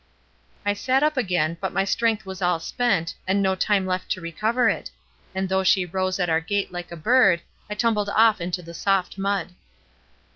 I sat up again, but my strength was all spent, and no time left to recover it; and though she rose at our gate like a bird, I tumbled off into the soft mud.